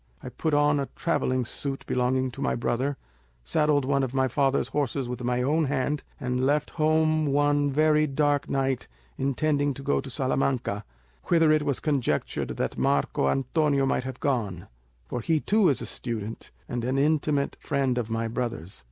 I put on a travelling suit belonging to my brother, saddled one of my father's horses with my own hand, and left home one very dark night, intending to go to Salamanca, whither it was conjectured that Marco Antonio might have gone; for he too is a student, and an intimate friend of my brother's.